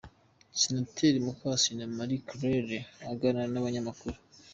Senateri Mukasine Marie Claire aganira n’abanyamakuru.